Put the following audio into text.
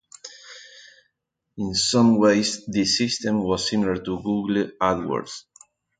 In some ways, this system was similar to Google AdWords.